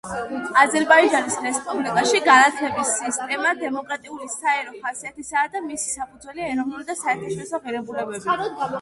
აზერბაიჯანის რესპუბლიკაში განათლების სისტემა დემოკრატიული, საერო ხასიათისაა და მისი საფუძველია ეროვნული და საერთაშორისო ღირებულებები.